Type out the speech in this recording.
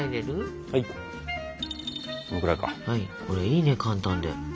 これいいね簡単で。